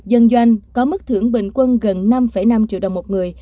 dân doanh có mức thưởng bình quân gần năm năm triệu đồng một người